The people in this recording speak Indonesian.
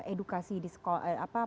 edukasi di sekolah